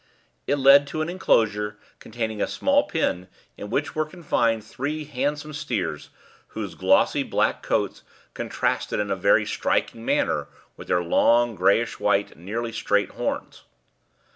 It led to an enclosure containing a small pen, in which were confined three handsome steers, whose glossy, black coats contrasted in a very striking manner with their long, greyish white, nearly straight horns.